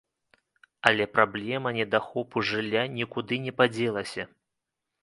Але праблема недахопу жылля нікуды не падзелася.